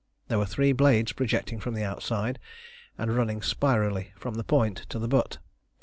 There were three blades projecting from the outside, and running spirally from the point to the butt.